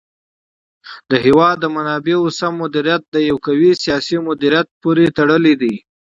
د هېواد د منابعو سم مدیریت د یو قوي سیاسي مدیریت پورې تړلی دی.